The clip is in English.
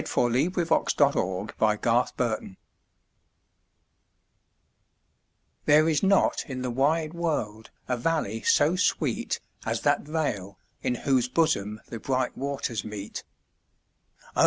The Meeting of the Waters THERE is not in the wide world a valley so sweet As that vale in whose bosom the bright waters meet; Oh!